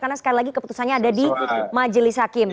karena sekali lagi keputusannya ada di majelis hakim